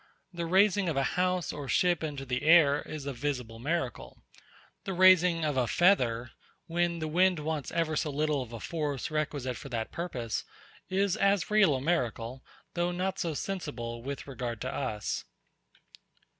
The raising of a house or ship into the air is a visible miracle. The raising of a feather, when the wind wants ever so little of a force requisite for that purpose, is as real a miracle, though not so sensible with regard to us.